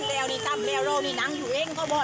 ไปต่างกันไปนั้นแล้วก็โรค